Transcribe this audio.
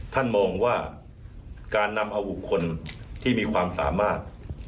ท่านมองว่าการนำเอาบุคคลที่มีความสามารถ